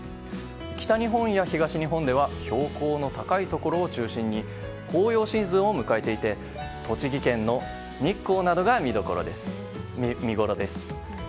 北日本や東日本では標高の高いところを中心に紅葉シーズンを迎えていて栃木県の日光などが見ごろです。